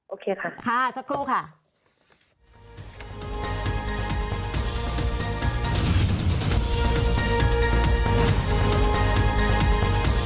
โอเคค่ะขอสักครู่ค่ะโอเคค่ะ